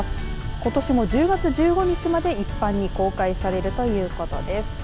ことしも１０月１５日まで一般に公開されるということです。